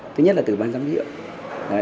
thứ nhất là từ ban giám địa